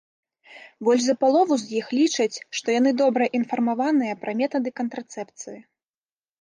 Больш за палову з іх лічаць, што яны добра інфармаваныя пра метады кантрацэпцыі.